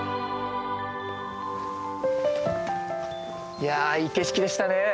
いやいい景色でしたね。